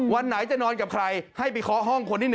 วันไหนจะนอนกับใครให้ไปขอห้องคนที่๑๒๓๔๕๖๗๘